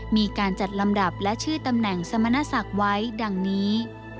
มีการจัดลำดับและชื่อตำแหน่งสมณศักดิ์ไว้ดังนี้